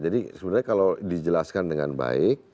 jadi sebenarnya kalau dijelaskan dengan baik